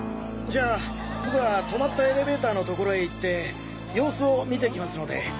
じゃあ僕は止まったエレベーターの所へ行って様子を見てきますので。